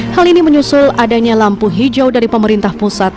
hal ini menyusul adanya lampu hijau dari pemerintah pusat